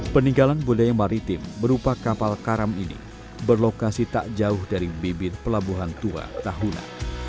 peninggalan budaya maritim berupa kapal karam ini berlokasi tak jauh dari bibir pelabuhan tua tahuna